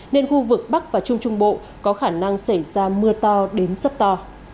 nên khu vực bắc và trung trung bộ có khả năng xảy ra mưa to đến rất to